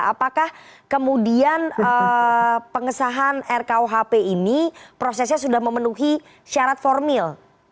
apakah kemudian pengesahan rkuhp ini prosesnya sudah memenuhi syarat formil